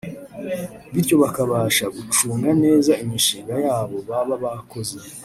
bityo bakabasha gucunga neza imishinga yabo baba bakoze